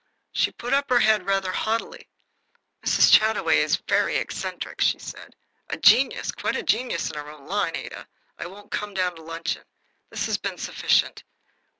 She put up her head rather haughtily. "Mrs. Chataway is very eccentric," she said. "A genius, quite a genius in her own line. Ada, I won't come down to luncheon. This has been sufficient.